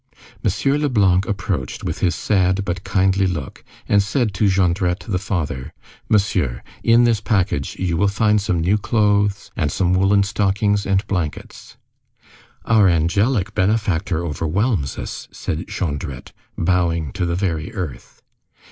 M. Leblanc approached, with his sad but kindly look, and said to Jondrette the father:— "Monsieur, in this package you will find some new clothes and some woollen stockings and blankets." "Our angelic benefactor overwhelms us," said Jondrette, bowing to the very earth.